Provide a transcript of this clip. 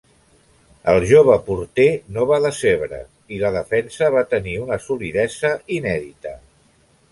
El jove porter no va decebre i la defensa va tenir una solidesa inèdita.